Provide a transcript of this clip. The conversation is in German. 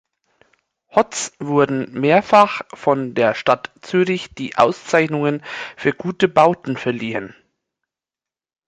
Hotz wurden mehrfach von der Stadt Zürich die Auszeichnungen für gute Bauten verliehen.